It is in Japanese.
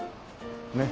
ねっ。